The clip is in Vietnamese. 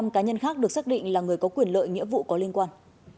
ba mươi năm cá nhân khác được xác định là người có quyền lợi nghĩa vụ có liên quan